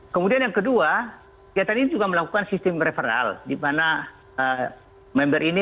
kemudian yang kedua kegiatan ini juga melakukan sistem referral di mana member ini